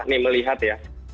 nih melihat ya